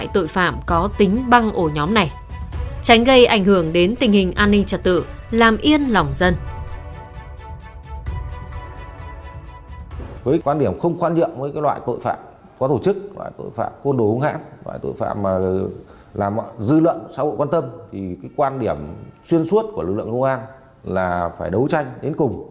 tội phạm côn đồ hùng hãng tội phạm làm dư luận xã hội quan tâm quan điểm chuyên suốt của lực lượng hùng hãng là phải đấu tranh đến cùng